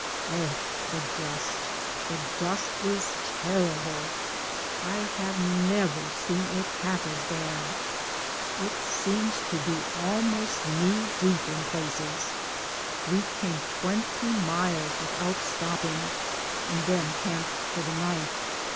Oh, the dust, the dust; it is terrible. I 174 DAYS ON THE ROAD. have never seen it half as bad ; it seems to be almost knee deep in places. We came twenty miles without stopping, and then camped for the night.